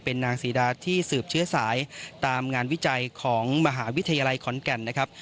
นางศรีดาที่สืบเชื้อสายตามงานวิจัยของมหาวิทยาลัยขอนแก่นนะครับ